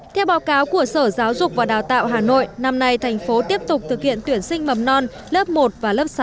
theo báo cáo của sở giáo dục và đào tạo hà nội năm nay thành phố tiếp tục thực hiện tuyển sinh mầm non lớp một và lớp sáu